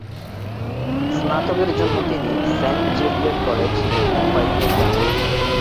স্নাতকের জন্য তিনি "saint Xavier college", Mumbai যোগদান করেন।